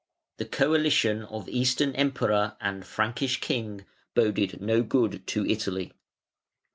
] The coalition of Eastern Emperor and Frankish King boded no good to Italy.